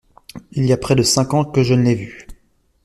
Il y a près de cinq ans que je ne l'ai vue.